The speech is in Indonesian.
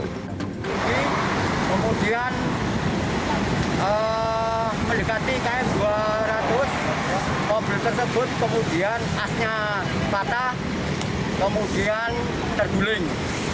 kemudian mendekati km dua ratus mobil tersebut kemudian asnya patah kemudian terguling